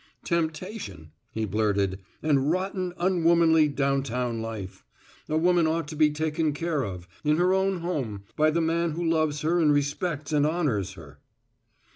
"Temptation," he blurted, "and rotten, unwomanly down town life. A woman ought to be taken care of, in her own home, by the man who loves her and respects and honors her."